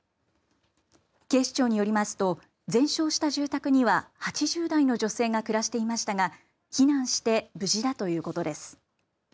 警視庁によりますと全焼した住宅には８０代の女性が暮らしていましたが避難して無事だということです。